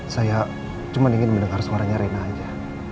saya cuma ingin mendengar suaranya rina aja